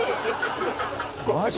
「マジ？」